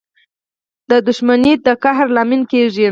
• دښمني د قهر لامل کېږي.